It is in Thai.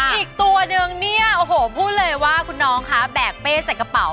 อีกตัวนึงเนี่ยโอ้โหพูดเลยว่าคุณน้องคะแบกเป้ใส่กระเป๋า